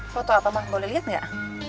foto apa mak boleh lihat gak